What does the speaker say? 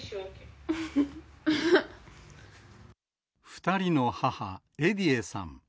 ２人の母、エディエさん。